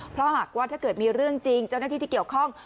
เพราะหากว่าถ้าเกิดมีเรื่องจริงเจ้าหน้าที่ที่เกี่ยวข้อง